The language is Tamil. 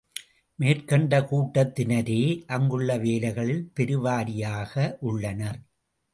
மேற்கண்ட கூட்டத்தினரே அங்குள்ள வேலைகளில் பெருவாரியாக உள்ளனர்.